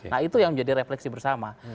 nah itu yang menjadi refleksi bersama